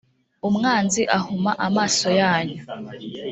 umwanzi ahuma amaso yanyu